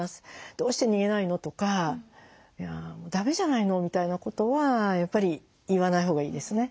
「どうして逃げないの？」とか「ダメじゃないの」みたいなことはやっぱり言わないほうがいいですね。